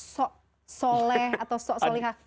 soleh atau so solehah